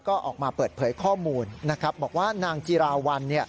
ก็ออกมาเปิดเผยข้อมูลนะครับบอกว่านางจิราวัล